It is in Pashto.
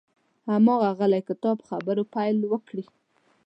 هماغه غلی کتاب په خبرو پیل وکړي.